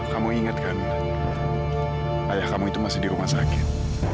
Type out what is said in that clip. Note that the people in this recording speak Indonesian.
kamu ingatkan ayah kamu itu masih di rumah sakit